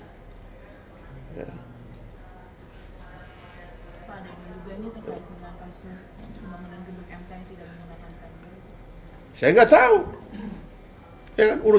pak ada yang juga ini terkait dengan kasus kemampuanan gedebuk mp yang tidak menggunakan karbon